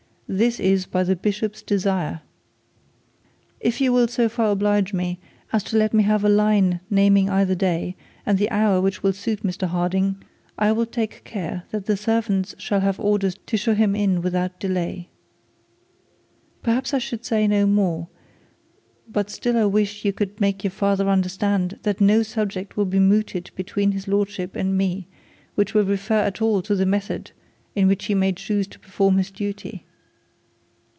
This is by the bishop's desire. If you will so far oblige me as to let me have a line naming either day, and the hour which will suit Mr Harding, I will take care that the servants shall have orders to show him in without delay. Perhaps I should say no more, but still I wish you could make your father understand that no subject will be mooted between his lordship and him, which will refer at all to the method in which he may choose to perform his duty.